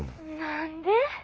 何で？